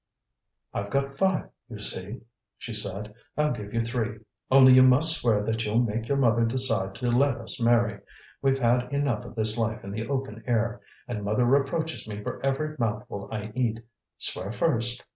"I've got five, you see," she said, "I'll give you three. Only you must swear that you'll make your mother decide to let us marry. We've had enough of this life in the open air. And mother reproaches me for every mouthful I eat. Swear first."